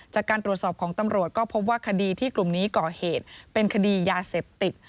จากการตรวจสอบของตำรวจก็พบว่าคดีที่กลุ่มนี้ก่อเหตุเป็นคดียาเสพติด